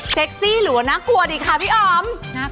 ซี่หรือว่าน่ากลัวดีคะพี่อ๋อม